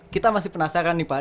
kita masih penasaran nih pak